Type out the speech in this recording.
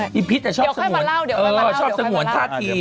พี่พิษอะชอบสงวนเออชอบสงวนท่าที